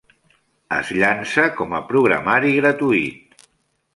Es llança com a programari gratuït.